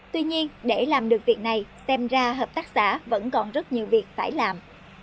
tuy nhiên để làm được việc này xem ra hợp tác xã vẫn còn rất nhiều việc phải làm